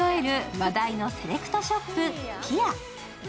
話題のセレクトショップ、ＰＥＥＲ。